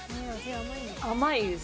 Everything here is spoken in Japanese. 甘いです。